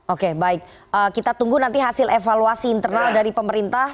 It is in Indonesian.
oke baik kita tunggu nanti hasil evaluasi internal dari pemerintah